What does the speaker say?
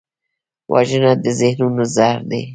وژنه د ذهنونو زهر دی